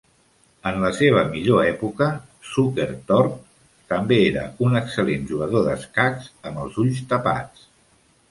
En la seva millor època, Zukertort també era un excel·lent jugador d'escacs amb els ulls tapats.